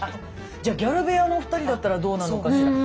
じゃギャル部屋のお二人だったらどうなのかしら？